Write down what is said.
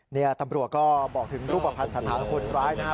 เนี่ยตำรวจก็บอกถึงรูปผัสสถานของคนร้ายนะครับ